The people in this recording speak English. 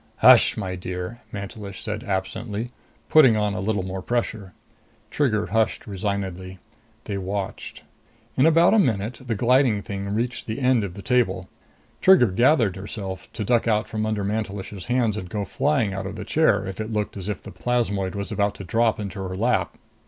"Hush, my dear," Mantelish said absently, putting on a little more pressure. Trigger hushed resignedly. They watched. In about a minute, the gliding thing reached the edge of the table. Trigger gathered herself to duck out from under Mantelish's hands and go flying out of the chair if it looked as if the plasmoid was about to drop into her lap.